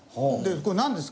「これなんですか？」